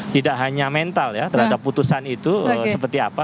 tidak hanya mental ya terhadap putusan itu seperti apa